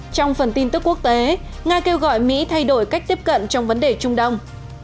trong phần tin tức quốc tế nga kêu gọi mỹ thay đổi cách tiếp cận trong vấn đề trung đông